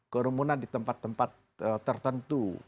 kerumunan di tempat tempat tertentu